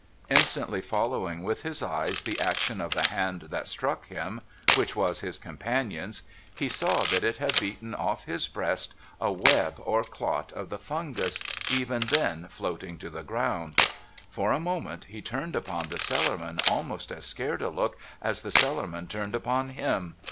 Instantly following with his eyes the action of the hand that struck him— which was his companion's — he saw that it had beaten off his breast a web or clot of the fungus even then floating to the ground. For a moment he turned ui)on the Cellarman almost as scared a look as the Cellarman turned upon him.